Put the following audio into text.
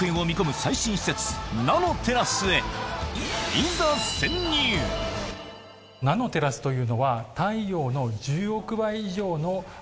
いざナノテラスというのは。